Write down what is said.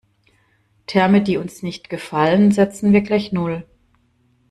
Terme, die uns nicht gefallen, setzen wir gleich null.